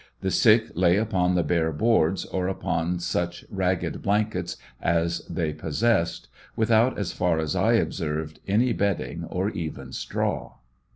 The sick lay upon the bare boards, or upon such ragged blankets as they pos sessed, without, as far as I observed, any bedding or even straw.